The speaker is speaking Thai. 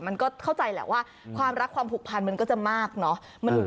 มันก็เข้าใจแหละว่าความรักความผูกพันมันก็จะมากเนอะ